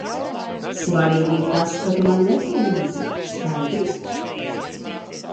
Svarīgi ir tas, ka tu man nepalīdzi, skaidrs?